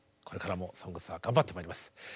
これからも「ＳＯＮＧＳ」は頑張ってまいります。